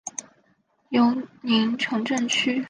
尤宁城镇区。